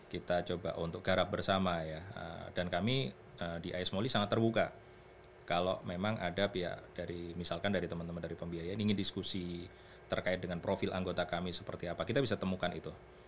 kita coba untuk garap bersama ya dan kami di as moli sangat terbuka kalau memang ada pihak dari misalkan dari teman teman dari pembiayaan ingin diskusi terkait dengan profil anggota kami seperti apa kita bisa temukan itu